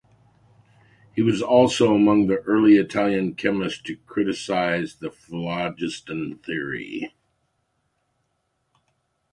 He was also among the early Italian chemists to criticize the phlogiston theory.